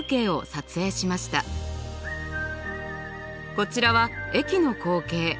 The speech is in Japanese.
こちらは駅の光景。